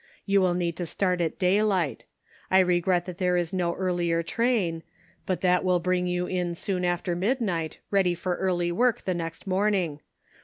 You will need to start at daylight. I regret that there is no earlier train ; but that will bring you in soon after midnight, ready for early work the next morning.